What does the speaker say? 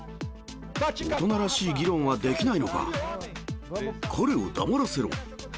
大人らしい議論はできないの彼を黙らせろ。